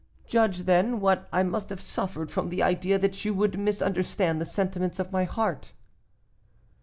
Judge, then, what I must have suffered from the idea that you would misunderstand the sentiments of my heart."